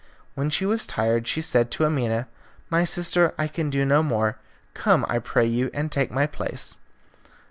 When she was tired she said to Amina, "My sister, I can do no more; come, I pray you, and take my place."